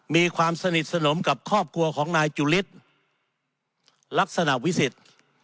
มีความสนิทสนมกับครอบครัวของนายจุฤทธิ์ลักษณะวิสิทธิ์